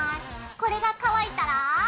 これが乾いたら。